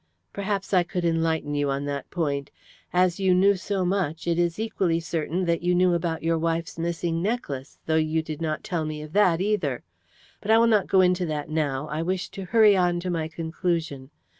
"Perhaps I could enlighten you on that point. As you knew so much, it is equally certain that you knew about your wife's missing necklace, though you did not tell me of that, either. But I will not go into that now I wish to hurry on to my conclusion.